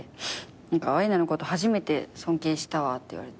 「アイナのこと初めて尊敬したわ」って言われて。